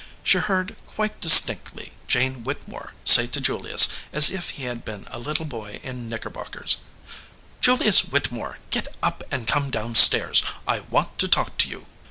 She heard quite distinctly Jane Whittemore say to Julius, as if he had been a little boy in knicker bockers : "Julius Whittemore, get up and come down stairs ; I want to talk to you."